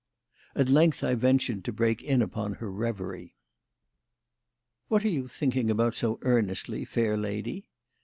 At length I ventured to break in upon her reverie. "What are you thinking about so earnestly, fair lady?"